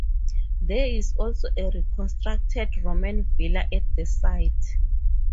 There is also a reconstructed Roman villa at the site.